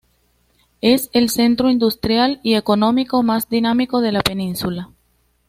Es el centro industrial y económico más dinámico de la península.